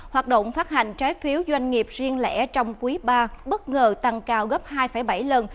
hoạt động phát hành trái phiếu doanh nghiệp riêng lẻ trong quý ba bất ngờ tăng cao gấp hai bảy lần